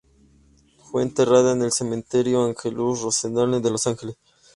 Fue enterrada en el Cementerio Angelus-Rosedale de Los Ángeles.